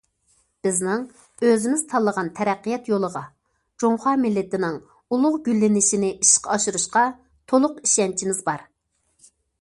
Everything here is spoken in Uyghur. بىزنىڭ ئۆزىمىز تاللىغان تەرەققىيات يولىغا، جۇڭخۇا مىللىتىنىڭ ئۇلۇغ گۈللىنىشىنى ئىشقا ئاشۇرۇشقا تولۇق ئىشەنچىمىز بار.